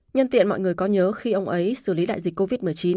nhân tiện mọi người có nhớ khi ông ấy xử lý đại dịch covid một mươi chín